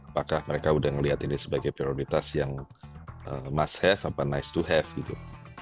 apakah mereka udah melihat ini sebagai prioritas yang musk have apa nice to have gitu